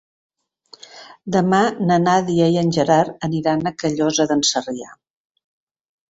Demà na Nàdia i en Gerard aniran a Callosa d'en Sarrià.